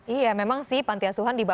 iya memang sih panti asuhan